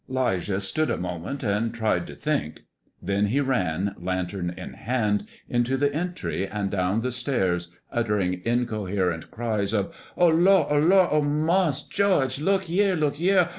'Lijah stood a moment and tried to think. Then he ran, lantern in hand, into the entry and down the stairs, uttering incoherent cries of "O Lor'! O Mars' George! Look yere, look yere!